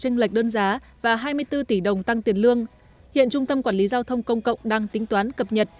trên lệch đơn giá và hai mươi bốn tỷ đồng tăng tiền lương hiện trung tâm quản lý giao thông công cộng đang tính toán cập nhật